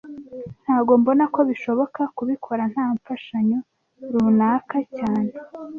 Ntago mbona ko bishoboka kubikora nta mfashanyo runaka cyane